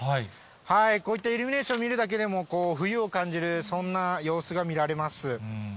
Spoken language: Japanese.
こういったイルミネーション見るだけでも、冬を感じる、そんな様子が見られます。